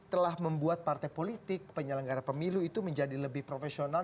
telah membuat partai politik penyelenggara pemilu itu menjadi lebih profesional